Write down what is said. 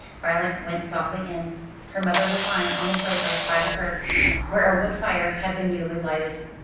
Violet went softly in. Her mother was lying on a sofa by the hearth, where a wood fire had been newly lighted.